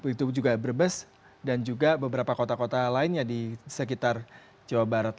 itu juga brebes dan juga beberapa kota kota lainnya di sekitar jawa barat